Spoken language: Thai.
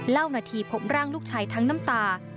เล่าหนะทีผมร่างลูกชายทั้งน้ำตา